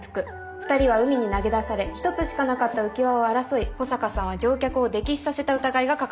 ２人は海に投げ出され一つしかなかった浮き輪を争い保坂さんは乗客を溺死させた疑いがかかっています。